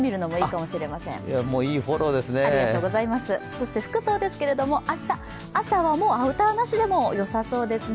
そして服装ですけれども明日、朝はアウターなしでもよさそうですね。